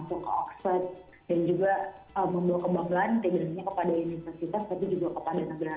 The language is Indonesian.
tidak hanya kepada universitas tapi juga kepada negara